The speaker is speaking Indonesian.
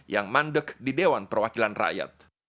yang mandek di dewan perwakilan rakyat